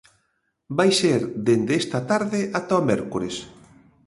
Vai ser dende esta tarde ata o mércores.